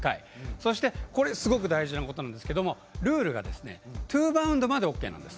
そして、すごく大事なことなんですがルールがツーバウンドまでＯＫなんです。